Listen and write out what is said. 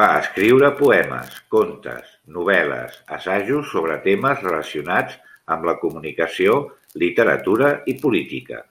Va escriure poemes, contes, novel·les, assajos sobre temes relacionats amb la comunicació, literatura i política.